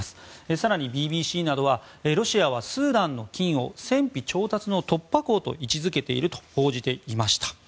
更に、ＢＢＣなどはロシアはスーダンの金を戦費調達の突破口と位置付けていると報じていました。